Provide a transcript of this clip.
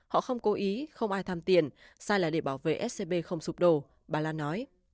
họ không cố ý không ai tham tiền sai là để bảo vệ scb không sụp đổ bà lan nói